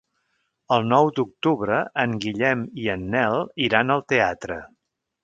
El nou d'octubre en Guillem i en Nel iran al teatre.